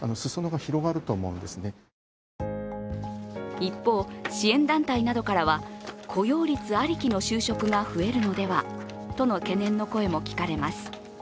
一方、支援団体などからは雇用率ありきの就職が増えるのではとの懸念の声も聞かれます。